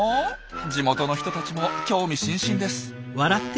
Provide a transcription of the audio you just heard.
地元の人たちも興味津々です。